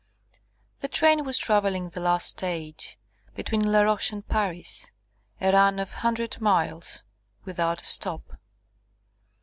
The train was travelling the last stage, between Laroche and Paris, a run of a hundred miles without a stop.